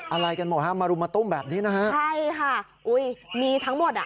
อะไรกันหมดฮะมารุมมาตุ้มแบบนี้นะฮะใช่ค่ะอุ้ยมีทั้งหมดอ่ะ